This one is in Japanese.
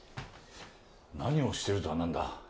「何をしてる」とは何だ！